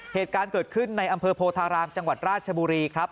เหตุการณ์เกิดขึ้นในอำเภอโพธารามจังหวัดราชบุรีครับ